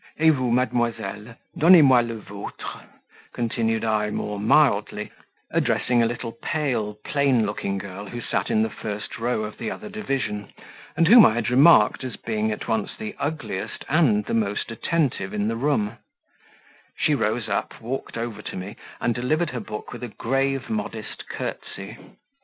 "Et vous, mademoiselle donnez moi le votre," continued I, more mildly, addressing a little pale, plain looking girl who sat in the first row of the other division, and whom I had remarked as being at once the ugliest and the most attentive in the room; she rose up, walked over to me, and delivered her book with a grave, modest curtsey.